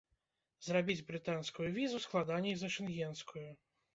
Зрабіць брытанскую візу складаней за шэнгенскую.